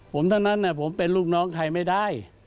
ผมทั้งนั้นผมเป็นลูกน้องใครไม่ได้